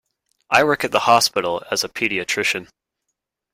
I work at the hospital as a paediatrician.